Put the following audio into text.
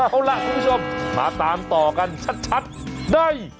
เอาล่ะคุณผู้ชมมาตามต่อกันชัดได้